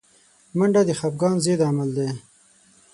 منډه د خفګان ضد عمل دی